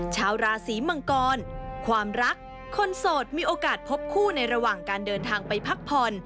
ชาวราศีมังกรความรักคนโสดมีโอกาสพบคู่ในระหว่างการเดินทางไปพักผ่อน